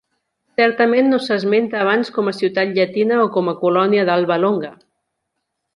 Certament no s'esmenta abans com a ciutat llatina o com a colònia d'Alba Longa.